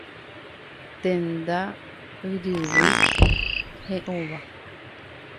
Tenda ijyvy he'õva.